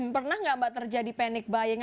pernah nggak mbak terjadi panic buying